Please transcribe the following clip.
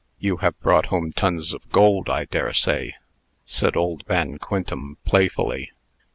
"You have brought home tons of gold, I dare say," said old Van Quintem, playfully.